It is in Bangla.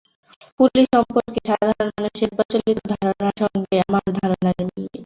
পুলিশ সম্পর্কে সাধারণ মানুষের প্রচলিত ধারণার সঙ্গে আমার ধারণার মিল নেই।